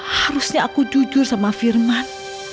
harusnya aku jujur sama firman